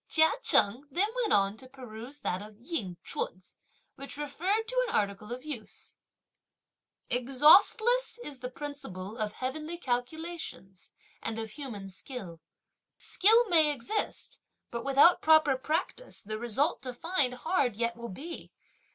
Chia Cheng then went on to peruse that of Ying Ch'un's, which referred to an article of use: Exhaustless is the principle of heavenly calculations and of human skill; Skill may exist, but without proper practice the result to find hard yet will be!